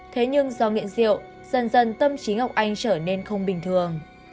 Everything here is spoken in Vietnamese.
thế nhưng do nghiện rượu dần dần tâm trí ngọc anh trở nên không bình thường